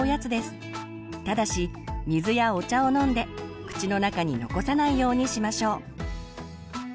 ただし水やお茶を飲んで口の中に残さないようにしましょう。